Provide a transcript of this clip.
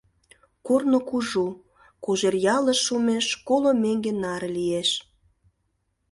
Корно кужу, Кожеръялыш шумеш коло меҥге наре лиеш.